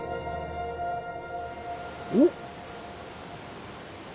おっ。